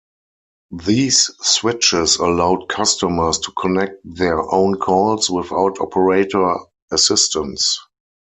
These switches allowed customers to connect their own calls without operator assistance.